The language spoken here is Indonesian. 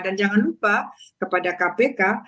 dan jangan lupa kepada kpk